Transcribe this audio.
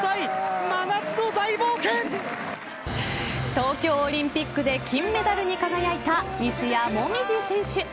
東京オリンピックで金メダルに輝いた西矢椛選手。